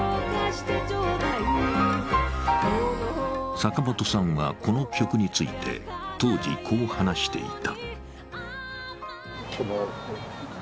坂本さんは、この曲について当時、こう話していた。